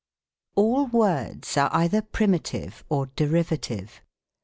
All words are either primitive or derivative.